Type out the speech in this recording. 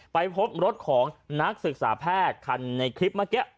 ไปพบรถของนักศึกษาแพทย์คันในคลิปเมื่อกี้